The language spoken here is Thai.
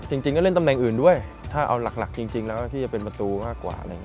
จริงก็เล่นตำแหน่งอื่นด้วยถ้าเอาหลักจริงแล้วพี่จะเป็นประตูมากกว่าอะไรอย่างนี้